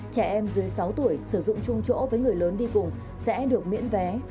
trẻ em dưới sáu tuổi sử dụng chung chỗ với người lớn đi cùng sẽ được miễn vé